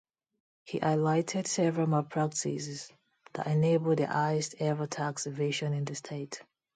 He highlighted several malpractices that enabled the highest ever tax evasion in the state.